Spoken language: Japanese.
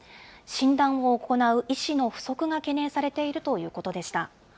診断を行う医師の不足が懸念されているということでした。